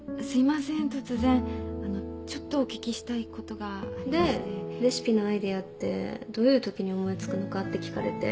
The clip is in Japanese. あのちょっとお聞きしたいことがでレシピのアイデアってどういうときに思い付くのかって聞かれて。